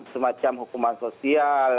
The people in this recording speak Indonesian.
semacam hukuman sosial